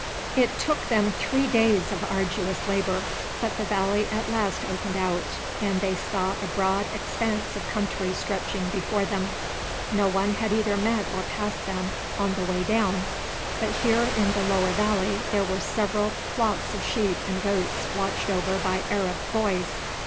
It took them three days of arduous labour; but the valley at last opened out, and they saw a broad expanse of country stretching before them. No one had either met or passed them on the way down; but here in the lower valley there were several flocks of sheep and goats watched over by Arab boys.